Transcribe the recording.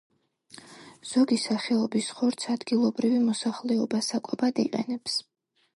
ზოგი სახეობის ხორცს ადგილობრივი მოსახლეობა საკვებად იყენებს.